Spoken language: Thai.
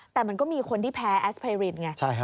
แต่มันก็มีคนที่แพ้แอสไพรินไง